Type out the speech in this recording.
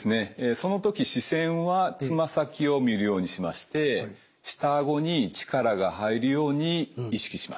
その時視線はつま先を見るようにしまして下あごに力が入るように意識します。